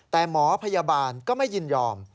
แต่หมอพยาบาลก็ไม่ยินยอม